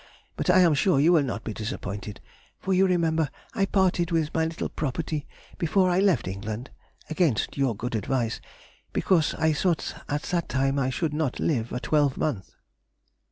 But I am sure you will not be disappointed, for you remember I parted with my little property before I left England (against your good advice) because I thought at that time I should not live a twelvemonth.